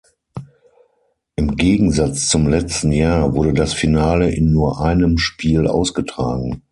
Im Gegensatz zum letzten Jahr wurde das Finale in nur einem Spiel ausgetragen.